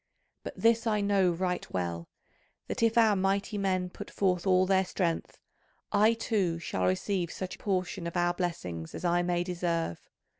But this I know right well, that if our mighty men put forth all their strength, I too shall receive such portion of our blessings as I may deserve.